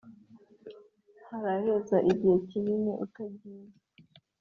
haraheze igihe kinini utagiye